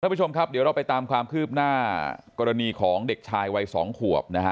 ผู้ชมครับเดี๋ยวเราไปตามความคืบหน้ากรณีของเด็กชายวัย๒ขวบนะฮะ